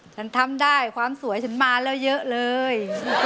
ทำได้ความสวยฉันมาแล้วเยอะเลย